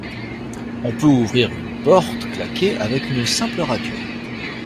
On peut ouvrir une porte claquée avec une simple radio.